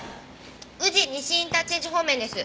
宇治西インターチェンジ方面です。